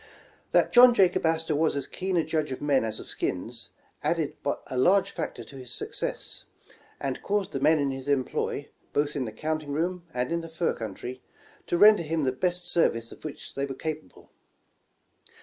That John Jacob Astor was as keen a judge of men as of skins, added a large factor to his success, and caused the men in his employ, both in the counting room and in the fur country, to render him the best service of which they were capable.